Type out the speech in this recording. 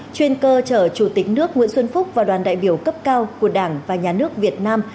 chuyên cơ chở chủ tịch nước nguyễn xuân phúc và đoàn đại biểu cấp cao của đảng và nhà nước việt nam